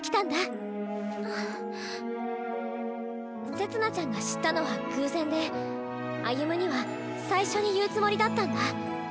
せつ菜ちゃんが知ったのは偶然で歩夢には最初に言うつもりだったんだ。